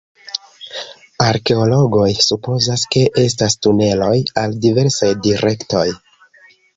Arkeologoj supozas, ke estas tuneloj al diversaj direktoj.